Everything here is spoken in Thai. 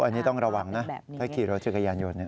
อันนี้ต้องระวังนะถ้าขี่รถจักรยานยนต์